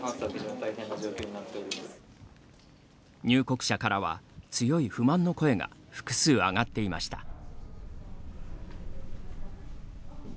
入国者からは、強い不満の声が複数上がっていました。